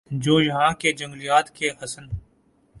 جو یہاں کے جنگلات کےحسن